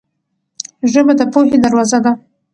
ژبه د پوهې دروازه ده.